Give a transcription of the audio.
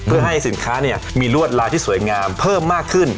เพื่อให้สินค้ามีรวดลายที่สวยงามเพิ่มมากขึ้น